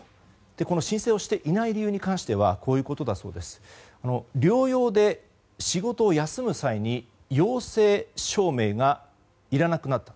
この申請をしていない理由については療養で仕事を休む際に陽性証明がいらなくなったと。